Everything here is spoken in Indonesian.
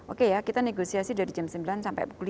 oke ya kita negosiasi dari jam sembilan sampai pukul lima